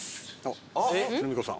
あっルミ子さん。